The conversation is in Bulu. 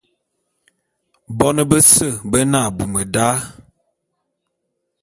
Bon bese be ne abum da.